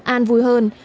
an vui hơn